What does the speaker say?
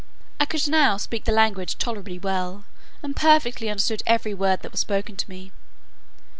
I could now speak the language tolerably well, and perfectly understood every word, that was spoken to me.